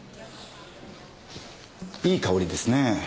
いい香りですねぇ。